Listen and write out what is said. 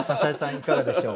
いかがでしょう？